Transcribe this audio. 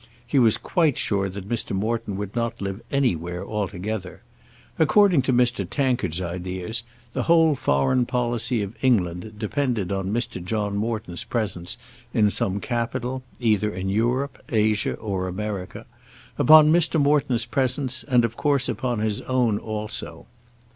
He was quite sure that Mr. Morton would not live anywhere altogether. According to Mr. Tankard's ideas, the whole foreign policy of England depended on Mr. John Morton's presence in some capital, either in Europe, Asia, or America, upon Mr. Morton's presence, and of course upon his own also.